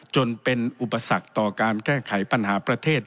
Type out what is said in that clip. จนเป็นอุปสรรคต่อการแก้ไขปัญหาประเทศ